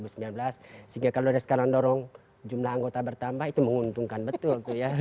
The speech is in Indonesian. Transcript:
sehingga kalau sudah sekarang dorong jumlah anggota bertambah itu menguntungkan betul ya